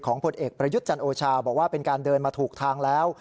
ผลเอกประยุทธ์จันโอชาบอกว่าเป็นการเดินมาถูกทางแล้ว